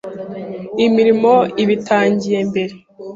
imirimo iba itangiye mbere